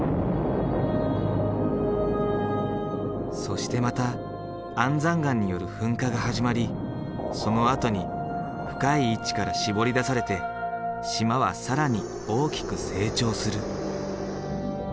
そしてまた安山岩による噴火が始まりそのあとに深い位置からしぼり出されて島は更に大きく成長する。